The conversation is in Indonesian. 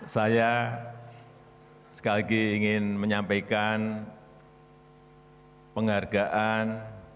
saya sekali lagi ingin menyampaikan penghargaan